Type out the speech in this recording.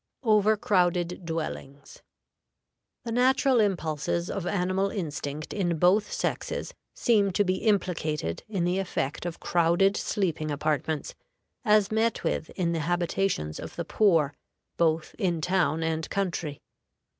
OVERCROWDED DWELLINGS. The natural impulses of animal instinct in both sexes seem to be implicated in the effect of crowded sleeping apartments, as met with in the habitations of the poor both in town and country.